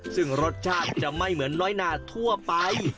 ซึ่งรสชาติจะไม่เหมือนน้อยนาทั่วไป